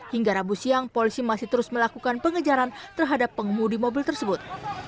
hingga rabu siang polisi masih terus melakukan pengejaran terhadap pengemudi mobil tersebut